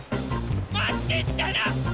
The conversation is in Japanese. まってったら！